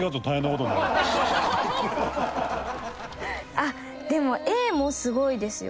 あっでもＡもすごいですよ。